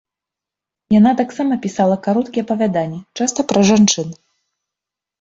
Яна таксама пісала кароткія апавяданні, часта пра жанчын.